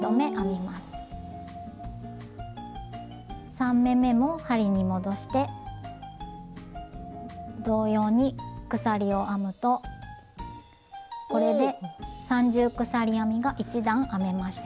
３目めも針に戻して同様に鎖を編むとこれで三重鎖編みが１段編めました。